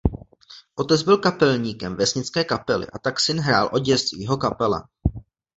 Otec byl kapelníkem vesnické kapely a tak syn hrál od dětství v jeho kapele.